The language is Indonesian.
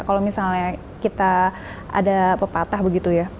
kalau misalnya kita ada pepatah begitu ya